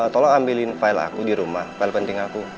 tolong ambilin file aku di rumah file penting aku